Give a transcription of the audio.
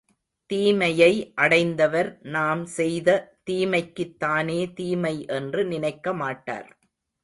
தீமையை அடைந்தவர் நாம் செய்த தீமைக்குத்தானே தீமை என்று நினைக்கமாட்டார்.